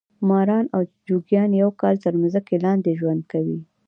ماران او جوګیان یو کال تر مځکې لاندې ژوند کوي.